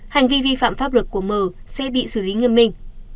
hành vi vi phạm pháp luật của m sẽ bị xử lý nghiêm minh